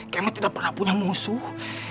kami tidak pernah punya musuh